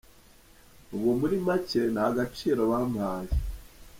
Ubwo muri make nta gaciro bampaye.